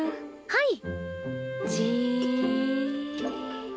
はい！